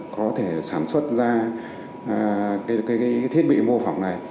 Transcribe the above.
có thể sản xuất ra thiết bị mô phỏng này